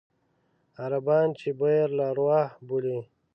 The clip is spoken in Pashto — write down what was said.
عربان یې بئر الأرواح بولي.